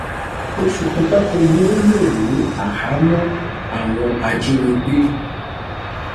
Oṣù kan gbáko ni ó lò ní áhámọ́ àwọn ajínigbé.